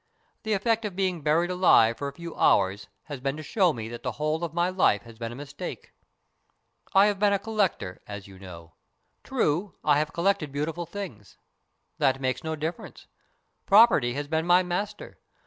The effect of being buried alive for a few hours has been to show me that the whole of my life has been a mistake. I have been a collector, as you know. True, I have collected beautiful things. That makes no difference. Property has been my master.